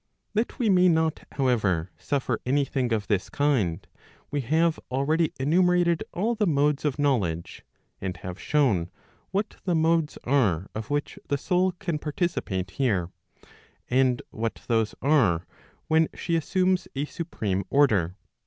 That we may not however, suffer any thing of this kind, we have already enumerated all the modes of knowledge ; and have shown what the modes are of which the soul can participate here, and what those are when she assumes a supreme order.